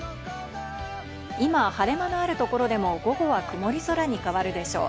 今、晴れ間のあるところでも午後は曇り空に変わるでしょう。